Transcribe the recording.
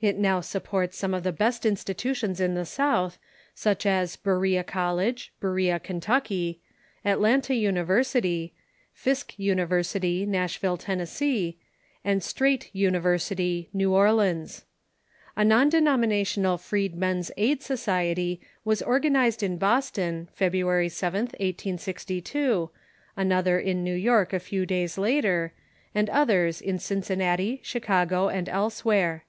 It now supports some of the best institutions in the South, such as Berea College, Berea, Kentucky ; Atlanta University ; Fisk University, Nashville, Tennessee ; and Straight University, New Orleans. A non denominational Freedmen's Aid Society was organized in Boston, February Vth, 1802, another in New York a few days later, and others in Cincinnati, Chicago, and elsewhere.